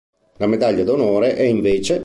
La medaglia d'onore è invece